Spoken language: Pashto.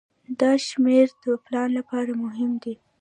دا شمیرې د پلان لپاره مهمې دي.